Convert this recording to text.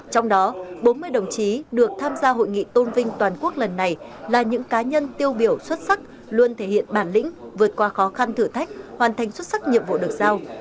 trong đó bốn mươi đồng chí được tham gia hội nghị tôn vinh toàn quốc lần này là những cá nhân tiêu biểu xuất sắc luôn thể hiện bản lĩnh vượt qua khó khăn thử thách hoàn thành xuất sắc nhiệm vụ được giao